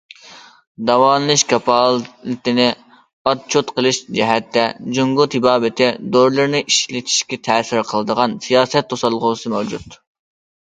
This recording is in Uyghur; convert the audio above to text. داۋالىنىش كاپالىتىنى ئاتچوت قىلىش جەھەتتە، جۇڭگو تېبابىتى دورىلىرىنى ئىشلىتىشكە تەسىر قىلىدىغان سىياسەت توسالغۇسى مەۋجۇت.